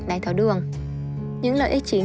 đầy tháo đường những lợi ích chính